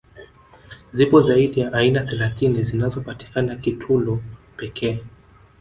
Zipo zaidi ya aina thelathini zinazopatikana Kitulo pekee